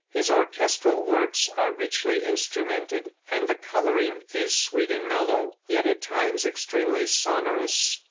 His orchestral works are richly instrumented, and the coloring is sweet and mellow, yet at times extremely sonorous.